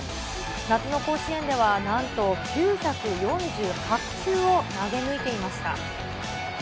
夏の甲子園では、なんと９４８球を投げ抜いていました。